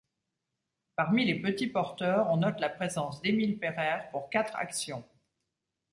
Parmi les petits porteurs, on note la présence d'Émile Pereire pour quatre actions.